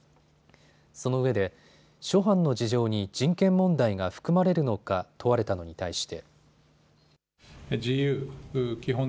そのうえで諸般の事情に人権問題が含まれるのか問われたのに対して。